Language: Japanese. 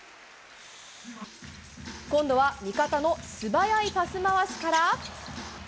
今度は味方の素早いパス回しから。